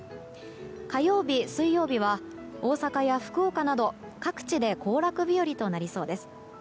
火曜日、水曜日は大阪や福岡など各地で行楽日和となりそうです。